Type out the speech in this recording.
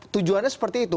tujuannya seperti itu